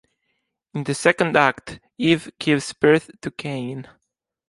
In the second act, Eve gives birth to Cain.